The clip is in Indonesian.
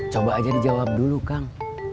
coba aja dijawab dulu kang